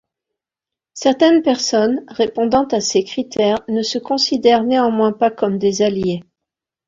Certaines personnes répondant à ces critères ne se considèrent néanmoins pas comme des alliés.